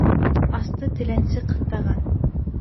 Асты теләнсе ҡыҫтаған.